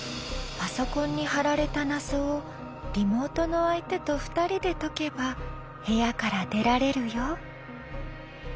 パソコンに貼られた謎をリモートの相手と２人で解けば部屋から出られるよ。